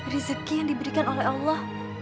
rezeki yang diberikan oleh allah